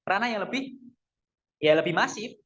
ranah yang lebih ya lebih masif